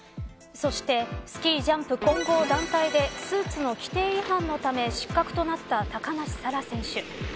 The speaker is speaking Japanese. そして、スキージャンプ混合団体でスーツの規定違反のため失格となった高梨沙羅選手。